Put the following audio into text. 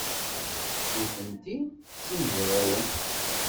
Nitenti d timezrawin.